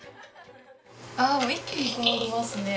ああ一気に曇りますね。